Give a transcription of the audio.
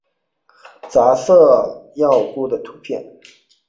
杂色耀鲇的图片